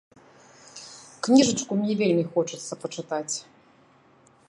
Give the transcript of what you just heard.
Кніжачку мне вельмі хочацца пачытаць.